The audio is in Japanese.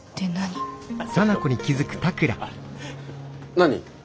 何？